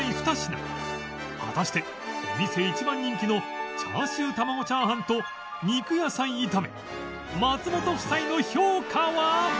果たしてお店一番人気のチャーシューたまご炒飯と肉野菜炒め松本夫妻の評価は？